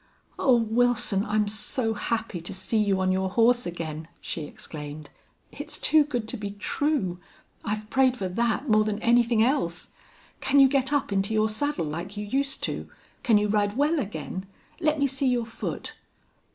"Oh, Wilson! I'm so happy to see you on your horse again!" she exclaimed. "It's too good to be true. I've prayed for that more than anything else. Can you get up into your saddle like you used to? Can you ride well again?... Let me see your foot."